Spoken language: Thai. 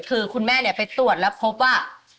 คือคุณแม่ไปตรวจแล้วพบว่า